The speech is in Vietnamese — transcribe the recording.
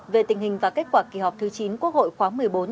về tình hình và kết quả kỳ họp thứ chín quốc hội khóa một mươi bốn